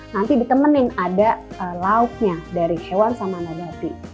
nanti ditemenin ada lauknya dari hewan sama nabati